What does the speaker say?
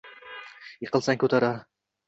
Yiqilsang, koʻtarar